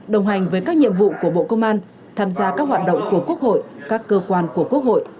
đồng hành với các nhiệm vụ của bộ công an tham gia các hoạt động của quốc hội các cơ quan của quốc hội